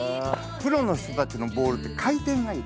プロの人たちのボールって回転がいい。